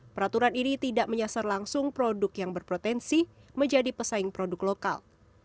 peraturan ini tidak menyasar langsung produk yang berpotensi menjadi pesaing produk lokal